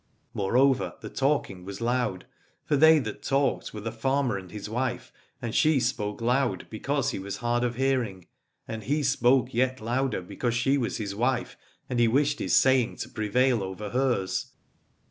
Moreover, the talking was loud, for they that talked were the farmer and his wife, and she spoke loud because he was hard of hearing, and he spoke yet louder because she was his wife, and he wished his saying to prevail over hers.